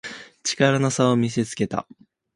力の差を見せつけた